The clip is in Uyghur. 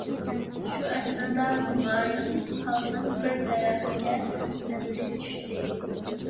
شۇ ئەسنادا ھۇمايۇن پالنىڭ بىر دەرەخكە نەزىرى چۈشتى.